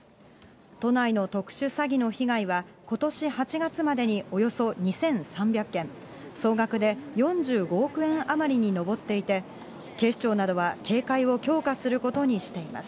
都内の特殊詐欺の被害は、ことし８月までにおよそ２３００件、総額で４５億円余りに上っていて、警視庁などは警戒を強化することにしています。